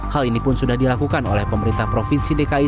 hal ini pun sudah dilakukan oleh pemerintah provinsi dki